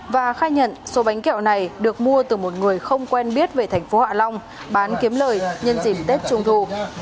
và khai nhận số bánh kẹo này được mua từ một người không quen biết về thành phố hạ long bán kiếm lời nhân dịp tết trung thu